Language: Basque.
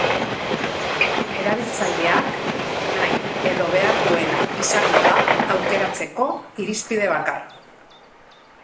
Erabiltzaileak nahi edo behar duena izango da aukeratzeko irizpide bakarra.